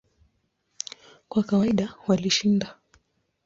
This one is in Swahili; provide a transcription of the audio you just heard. Kwa kawaida walishinda.